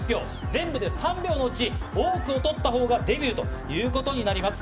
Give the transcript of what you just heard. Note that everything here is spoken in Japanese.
全部で３票のうち多くを取ったほうがデビューということになります。